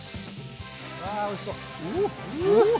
わおいしそう！